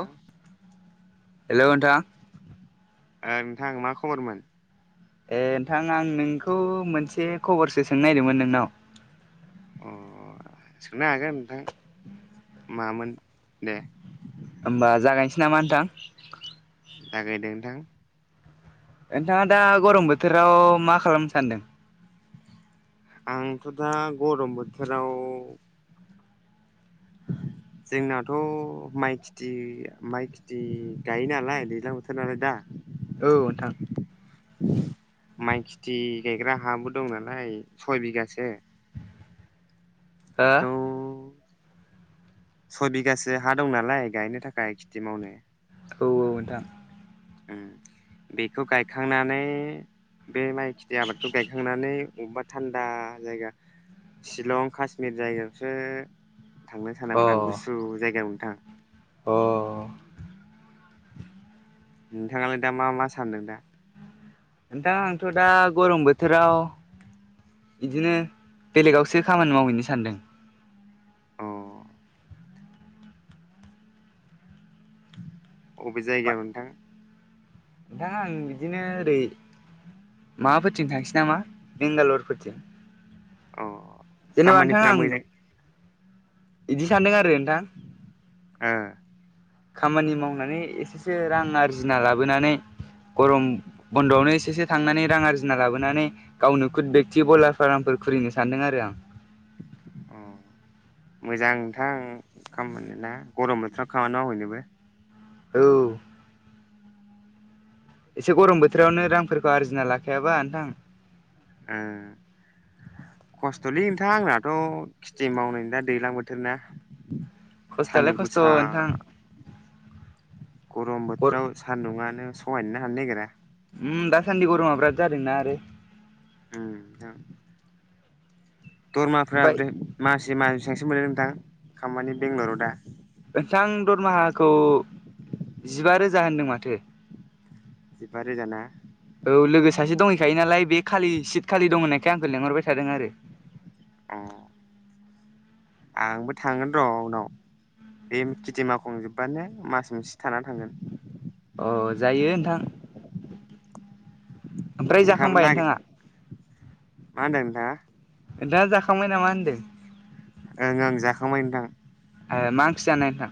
औ हेलौ नोंथां ओ नोंथां मा खबरमोन ए नोंथां आं नोंखौ मोनसे खबरसो सोंनोनायदोंमोन नोंनाव अ सोंनो हागोन नोंथां मामोन दे होमबा जागायनोसै नामा नोंथां जागायदों नोंथां नोंथाङा दा गरम बोथोराव मा खालामनो सानदों? आंथ' दा गरम बोथोराव [inaudible] जोंनाथ' माइ खिथि माइ खिथि गायो नालाय दैज्लां बोथोर नालाय दा औ नोंथां माइ खिथि गायग्रा हाबो दं नालाय सय बिगासो हो बेखौ सय बिगासो हा दं नालाय गायनो थाखाय खेथि मावनो औ औ नोंथां उम बेखौ गायखांनानै बे माइ खेथि आबादखौ गायखांनानै बबेबा थान्दा जायगा शिलं काशमिर जायगायावसो थांनो अ सानदोमोन आं गुसु जायगायाव नोंथां अ नोंथाङालाय दा मा मा सानदों दा? नोंथां आंथ' दा गरम बोथोराव बिदिनो बेलेगावसो खामानि मावहैनो सानदों। अ अबे मा जायगायाव नोंथां? नोंथां आं बिदिनो ओरै माबाफोरथिं थांसै नामा बेंगालरफोरथिं। अ खामानिफोरा मोजां इदि सानदों आरो नोंथां ए खामानि मावनानै एसेसो रां आरजिना लाबोनानै गरम बन्द'आवनो एसेसो थांनानै रां आरजिना लाबोनानै गावनो खुद बेक्त बलार फार्मफोर खुलिनो सान्दों आरो आं अ मोजांथां खामानि ना गरम बोथोराव खामानि मावहैनोबो औ एसे गरम बोथोरावनो रांफोरखौ आरजिना लाखायाबा नोंथां [unintelligible] खस्थ'लै नोंथां आंनाथ' खिथि मावनाय दा दैज्लां बोथोर ना। खस्थ'आलाय सानदुं खस्थ' गुसा नोंथां गरम गर बोथोराव सान्दुंङा नो सहायनोनो हानो नागिरा। उम दासान्दि गरमा बिराद जादोंना आरो [unintelligible] दरमाफ्रा ओमफ्राय मा जेमा बेसिबांसो मोनो नोंथां खामानि बेंगलराव दा? नोंथां दरमाहाखौ जिबा रोजा होनदों माथो। जिबारोजाना औ लोगो सासे दंहैखायो नालाय बे खालि सित खालि दं होननायखाय आंखौ लेंहरबाय थादों आरो। अ आंबो थांगोन र' उनाव बे खेथि मावााखंजोबबानो मास मोनसे थानानै थांगोन। अ जायो नोंथां। ओमफ्राय नोंथाङाबो जाखांबाय नागिर नोंथाङा? मा होनदों नोंथाङा दा जाखांबाय नामा होनदों ओं ओं जाखांबाय नोंथां। मा ओंख्रि जानाय नोंथां?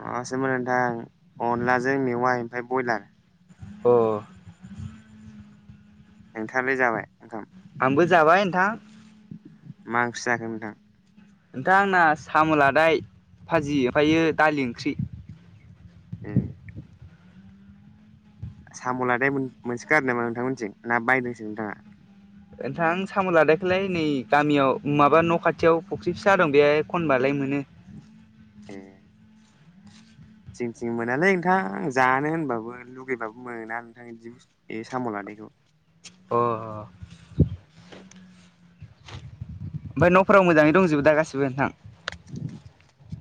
माबासोमोन नोंथां अनलाजों मेवाइ ओमफ्राय ब्रयलार। अ नोंथाङालाय जाबाय ओंखाम? आंबो जाबाय नोंथां। मा ओंख्रि जाखो नोंथां? नोंथां आंना साम' लादाय भाजि ओफायो दालि ओंख्रि। ए साम'लादाय मोन-मोनसोगारो नामा आरो नोंथांमोनथिं ना बायदोंसो नोंथाङा? ओनथां साम' लादायखौलाय नै गामियाव माबा न' खाथियाव फख्रि फिसा दं बेयाय खनबालाय मोनो। ए जोंथिं मोनालै नोंथां जानो होनबाबो लुगैबाबो मोना नोंथां इदि बुस्तु ए साम' ला बेखौ अ ओमफाय न'फोराव मोजाङै दंजोबो दा गासिबो नोंथां?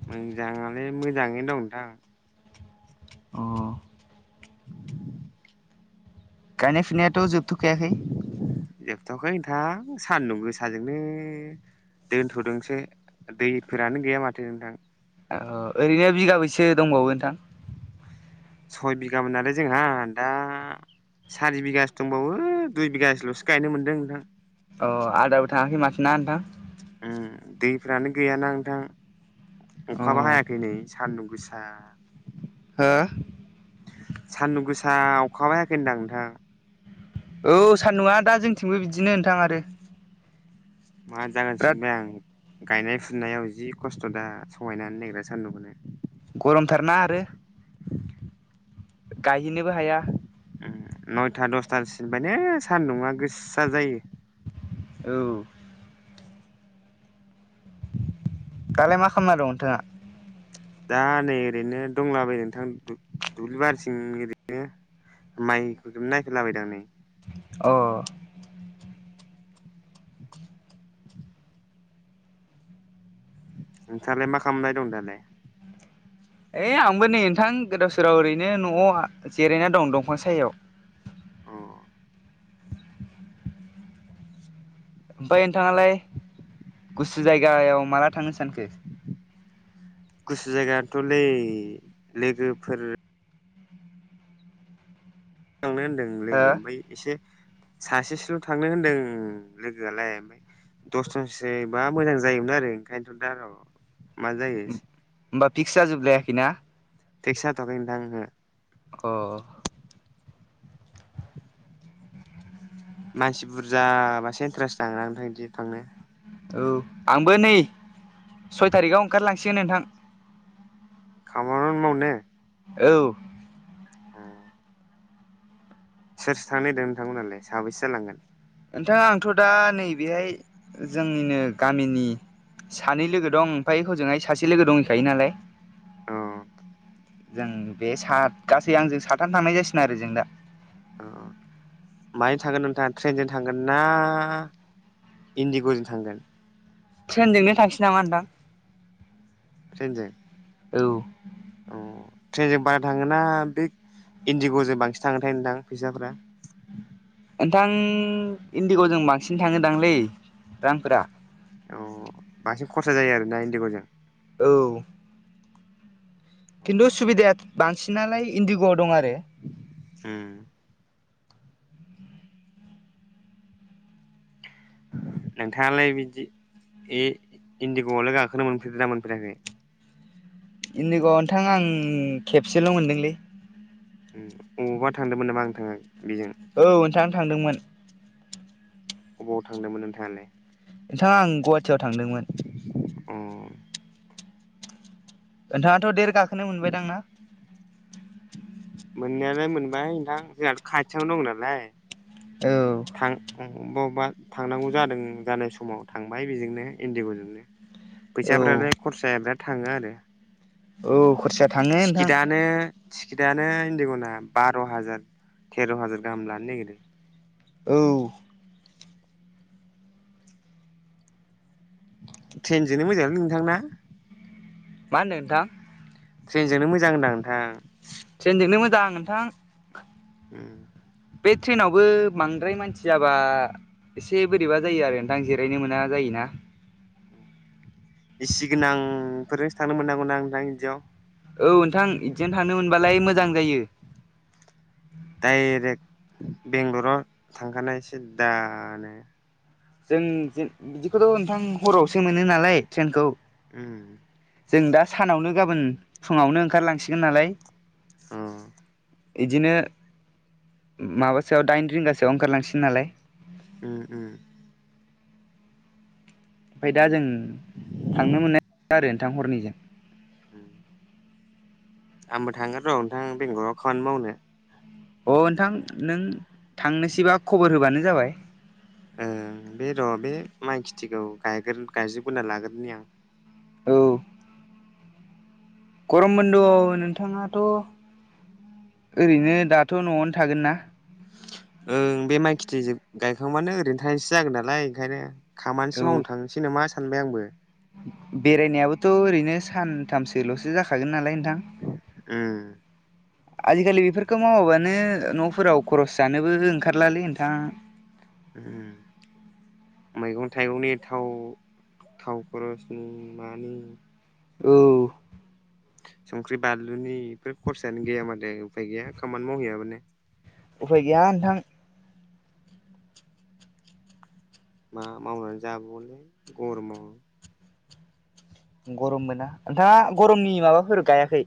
मोजाङालाय मोजाङैनो दं थां। अ गायनाय फुनायाथ' जोबथ'खायाखै? जोबथावाखै नोंथां सानदुं गोसाजोंनो दोनथ'दोंसो दैफोरानो गैया माथो नोंथां। औ ओरैनो बिगाबैसो दंबावो नोंथां? सय बिगामोनालाय जोंहा दा सारि बिगासो दंबावो दुइ बिगासोल'सो गायनो मोनदों नोंथां। अ आदाबो थाङाखै माथो ना नोंथां? उम दैफ्रानो गैयाना नोंथां अ अखाबा हायाखै नै सान्दुं गोसा। हो? हा अखाबो हायाखै होनदां नोंथां। औ सान्दुङा दा जोंथिंबो बिदिनो नोंथां आरो। मा जागोन बिराद सिमबाय आं। गायनाय फुनायाव जि खस्थ' दा सहायनो हानो नागेरा सान्दुंखोनो। गर'मथारना आरो गायहैनोबो हाया। उम नयथा दसथा सोनिफायनो सान्दुंआ गोसा जायो। औ। दालाय मा खालामना दं नोंथाङा? दा नै ओरैनो दंलाबायो नोंथां दुब-दुब्लि बारिथिं ओरैनो। माइफोरखौनो नायफैलाबायदो आं नै। अ नोंथांलाय मा खामबाय दं दालाय? ओय आंबो नै नोंथां गोदाव सोराव ओरैनो न'आव जिरायना दं दंफां सायायाव। औ। ओमफाय नोंथाङालाय गुसु जायगायाव माला थांनो सानखो? गुसु जायगायानथ'लै लोगोफोर थांनो होन्दों हो लोगो ओमफाय एसे सासेसोल' थांनो होनदों लोगोआलाय ओमफाय दसजनसोबा मोजां जायोमोन आरो ओंखायनोथ' दा र'। मा जायो होमबा फिक्स जाजोब लायाखैना? फिक्स जाथ'आखै नोंथां ओहो। अ। मानसि बुरजाबासो इन्टारेस्ट नाङोना नोंथां इदि थांनो। औ आंबो नै सय थारिखआव ओंखार लांसिगोन नोंथां। खामानि मावनो? औ। अ। सोर सोर थांनो नायगिरदों नोंथांमोनहालाय साबैसे जालांगोन? नोंथाङा आंथ' दा नैबेहाय जोंनिनो गामिनि सानै लोगो दं ओमफ्राय हजोंहाय सासे लोगो दंहैखायो नालाय। औ। जों बे सात गासै आंजों साथानो थांनाय जासिगोन आरो दा। अ माजों थांगोन नोंथाङा ट्रेनजों थांगोन ना? इन्दिग'जों थांगोन? ट्रेनजोंनो थांसै नामा नोंथां ट्रेनजों औ। अ ट्रेनजों बारा थाङोना बे इन्दिग'जों बांसिन थांङोथार नोंथां फैसाफोरा नोंथां इन्दिग'जों बांसिन थाङोदांलै रांफोरा अ बांसिन खरसा जायो आरोना इन्दिग'जों औ। खिन्थु सुबिदाया बांसिन नालाय इन्दिग' उम। नोंथाङालाय बिजि इन्दिग'आवलाय गाखोनो मोनफेरदा मोनफेराखै? इन्डिग' नोंथां आं खेबसेल' मोनदोंलै बबावबा थांदोंमोन नामा नोंथाङा? बेजों औ नोंथां थांदोंमोन अबावाव थांदोंमोन नोंथाङालाय? नोंथाङा आं गुवाहाटियाव थांदोंमोन। औ। नोंथाङाथ' देर गाखोनो मोनबायदांना? मोननायालाय मोनबाय नोंथां जोंहाथ' खाथियावनो दं नालाय। औ। अबेबा अबेबा थांनांगौ जादों जानाय समाव थांबाय बेजोंनो इन्दिग'जोंनो। फैसा औ फोरालाय खरसाया बिराद थाङो आरो औव खरसा थांङो नोंथां। टिकेतआनो इनदिग'ना बार हाजार तेर हाजार गाहाम लानो नागिरो। औ ट्रेनजोंनो मोजांलै नोंथां ना? मा होनन्दों नोंथां? ट्रेनजोंनो मोजां होनदों नोंथां। ट्रेनजोंनो मोजां नोंथां। उम बे ट्रेनावबो बांद्राय मानसि जाबा एसे बोरैबा जायो आरो नोंथां जि रायनो मोना उम जायोना एसि गोनां फोरजोंसो थांनो मोननांगौ ना नोंथां बिदियाव? औ‌ नोंथां बिदियावनो थानो मोनबालाय मोजां जायो। दाइरेक्ट बेंगलराव थांखानाय सि दानो। जों जों बिदिखौथ' नोंथां हरावसो मोनो नालाय ट्रेनखौ उम जों दा सानावनो गाबोन फुंङावनो ओंखार लांसिगोन नालाय अ इदिनो माबासोयाव दाइन रिंगा सोआव ओंखार लांसिन नालाय। उम उम ओमफ्राय दा जों, थांनो मोननाय [unintelligible] आरो नोंथां हरनिजों। [inaudible] आंबो थांगोन र' नोंथां बेगलाव खामानि मावनो। अ'नोंथां नों थांनोसैबा खबर होबानो जाबाय। ओ बे र' बे माइ खेथिखौ यग्रो गायजोब ग्रोना लाग्रोनि आं। औ। गरम बन्दआव नोंथांङाथ'- ओरैनो दाथ' न'आवनो थागोन ना? ओं बे माइ खेथिजोब गायखांबानो ओरैनो थानायसो जागोन नालाय। ओंखायनो- खामानिसो मावनो थांनोसै नामा? सानबाय आंबो। बेरायना याबोथ' ओरैनो सानथामसोल'सो जाखागोन नालाय होनदों ओङ। आजि-खालि बेफोरखौ मावाबानो, न'फोराव खरस जानोबो ओंखार लालै नोंथांङ। उ [inaudible] मैगं-थाइगंनि थाव, थाव खरसनि मानि औव। संख्रि-बानलुनि बेफोर खरसायानो गैया माथो। उफाय गैया खामानि मावहैयाबानो। उफाय गैया नोंथां। मा मावनानै जाबावलै? गरमाव। गरम मोना। नोंथांङा गरमनि माबाफोर गायाखै?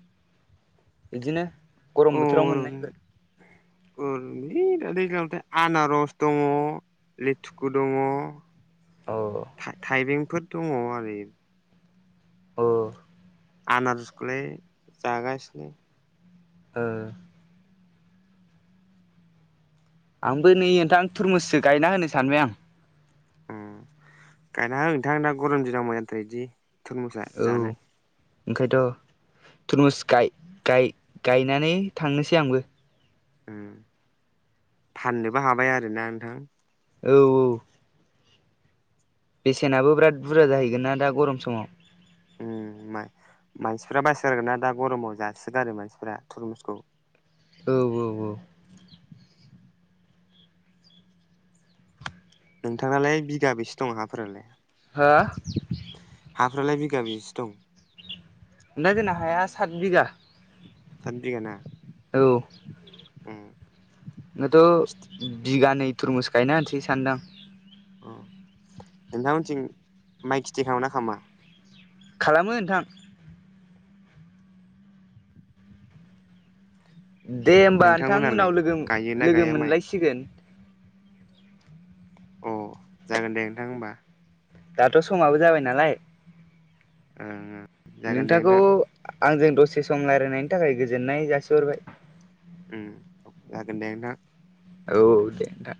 बिदिनो। गरम बोथोराव मोननायफोर? अ [unintelligible] दैगांथाय आनारस दङो, लेथुखु दङो, अ था थाइबेंफोर दङ आरो। औ। आनारसखौलाय जागासिनो। ओ। आंबो नै नोंथां, थुरमुससो गायना होनो सानबाय आं। अ गायना हो नोंथां। दा गरम दिनाव माजांथायोदि थरमुसा जानो। ओंखाय नोथ', थरमुस गाय, गाय, गायनानै थांनोसै आंबो। [inaudible] फाननोबो हाबाय आरोना नोंथां? औव, औव। बेसेनाबो बिराद बुरजा जाहैगोन ना दा गरम समाव उम मा मानसिफ्रा बससारगोन ना दा गरमाव जासोगारो मानसिफ्रा थरमुसखौ औ औ औ नोंथाङालाय बिगाबेसे दङ हाफोरालाय? नोंथां फ्रालाय बिगाबेसे दं नोंथां जोंना हाया सात बिगा सात बिगा ना औ उम नाथ' बिगानै थुरमुस गायना होनसै सानदां उम नोंथांमोनथिं माइ खिथि खालामो ना खालामा? खालामो नोंथां। दे होमबा नोंथां नोंथांमोनालाय उनाव लोगोम गायोना लोगो गाया माइ मोनलायसिगोन अ जागोन दे नोंथां होमबा दाथ' समाबो जाबाय नालाय [unintelligible] दे नोंथांखौ नोंथां आंजों दसे सम रायलायनायनि थाखाय गोजोननाय जासिहरबाय उम जागोन दे नोंथां औ दे नोंथां